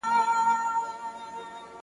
چي مات سې، مړ سې تر راتلونکي زمانې پوري